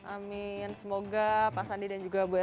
amin semoga pak sandi dan juga bu er